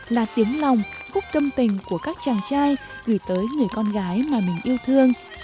là tiếng lòng khúc tâm tình của các chàng trai gửi tới người con gái mà mình yêu thương